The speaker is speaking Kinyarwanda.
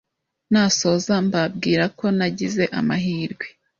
nasoza mbabwira ko nagize amahirwe